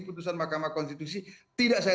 putusan mahkamah konstitusi tidak saya